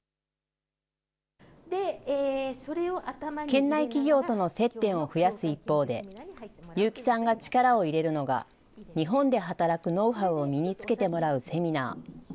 県内企業との接点を増やす一方で、結城さんが力を入れるのが、日本で働くノウハウを身につけてもらうセミナー。